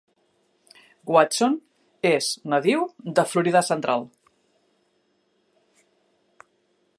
Watson és nadiu de Florida central.